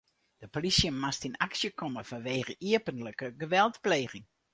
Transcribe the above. De polysje moast yn aksje komme fanwegen iepentlike geweldpleging.